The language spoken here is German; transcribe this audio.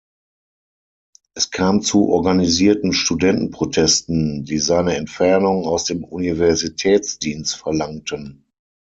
Es kam zu organisierten Studentenprotesten, die seine Entfernung aus dem Universitätsdienst verlangten.